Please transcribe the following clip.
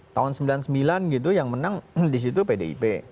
tahun sembilan puluh sembilan gitu yang menang disitu pdip